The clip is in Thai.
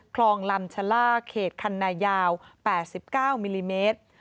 คลองลำชะล่าเขตคันนายาว๘๙มิลลิเมตร